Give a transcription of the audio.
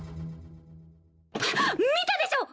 見たでしょ！